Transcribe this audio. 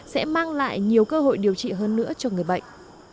sẽ mang lại nhiều cơ hội điều trị hơn nữa cho người bệnh